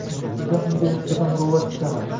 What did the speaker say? Sizdan unga nisbatan muruvvat kutaman.